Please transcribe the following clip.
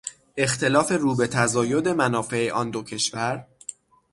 اختلاف رو به تزاید منافع آن دو کشور